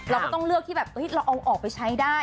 เราก็ต้องเลือกที่แบบเราเอาออกไปใช้ได้